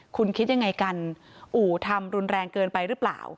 คุณคิดยังไงกันอู่ทำรุนแรงเกินไปหรือเปล่า